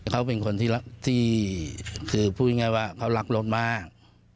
เขาเป็นคนที่คือพูดง่ายว่าเขารักลดมาก